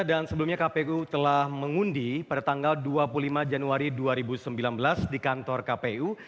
dan sebelumnya kpu telah mengundi pada tanggal dua puluh lima januari dua ribu sembilan belas di kantor kpu